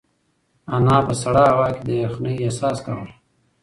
انا په سړه هوا کې د یخنۍ احساس کاوه.